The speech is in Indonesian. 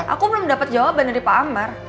aku belum dapat jawaban dari pak ambar